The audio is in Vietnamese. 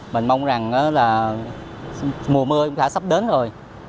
mình mong rằng là mùa mưa cũng đã sắp đến rồi